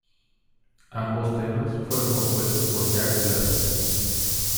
Ambos temas fueron compuestos por Jack Blades.